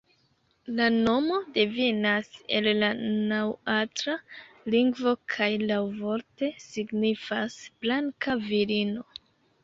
La nomo devenas el la naŭatla lingvo kaj laŭvorte signifas "blanka virino".